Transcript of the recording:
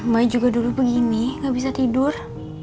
mbaik juga dulu begini gak bisa tidur